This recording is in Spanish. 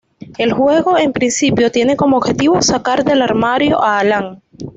El juego en principio tiene como objetivo sacar del armario a Alan.